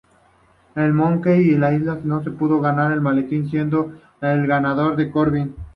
En Money in the Bank no pudo ganar el maletín siendo el ganador Corbin.